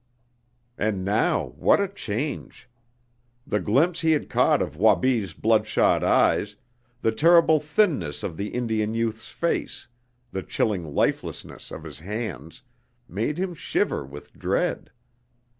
And now what a change! The glimpse he had caught of Wabi's bloodshot eyes, the terrible thinness of the Indian youth's face, the chilling lifelessness of his hands, made him shiver with dread.